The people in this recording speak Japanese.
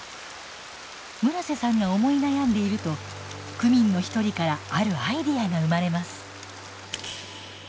村瀬さんが思い悩んでいると区民の一人からあるアイデアが生まれます。